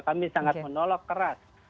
kami sangat menolak keras